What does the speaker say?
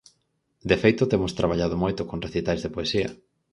De feito, temos traballado moito con recitais de poesía.